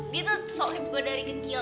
dia tuh soknya gue dari kecil